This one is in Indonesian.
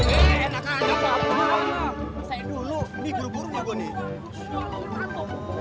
mas eduh lu nih buru buru mau gue nih